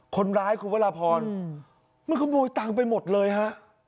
คนร้ายครูวราพรมันขโมยตังไปหมดเลยฮะ